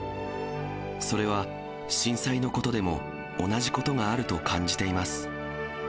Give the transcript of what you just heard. それは、震災のことでも同じことがあると感じています。